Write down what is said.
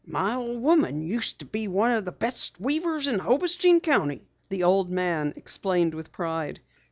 "My old woman used to be one o' the best weavers in Hobostein county," the old man explained with pride.